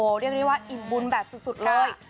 เรียกได้ว่าอิ่มบุญแบบสุดเลย